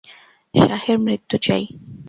শাহের মৃত্যু চাই!